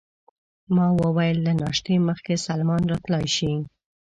ما وویل: له ناشتې مخکې سلمان راتلای شي؟